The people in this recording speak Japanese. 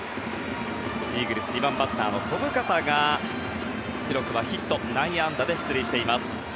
イーグルス、２番バッターの小深田が記録はヒット内野安打で出塁しています。